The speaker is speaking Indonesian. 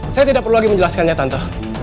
saya tidak perlu lagi menjelaskannya tante